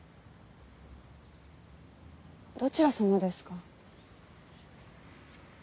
どちらさまですか？